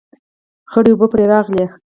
خړې اوبه پرې راغلې